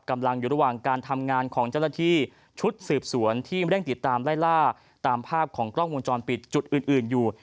กำลังอยู่ระหว่างการทำงานของเจ้าหน้าที่ชุดสืบสวนที่เร่งติดตามไล่ล่าตามภาพของกล้องวงจรปิดจุดอื่นอยู่